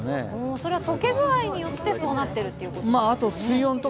それは解け具合によってそうなっているということですか？